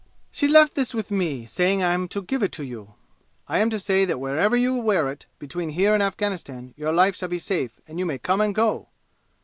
"She left this with me, saying I am to give it to you! I am to say that wherever you wear it, between here and Afghanistan, your life shall be safe and you may come and go!"